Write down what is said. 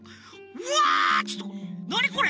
うわちょっとなにこれ？